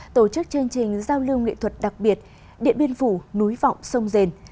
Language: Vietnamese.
tổ chức chương trình giao lưu nghệ thuật đặc biệt điện biên phủ núi vọng sông rền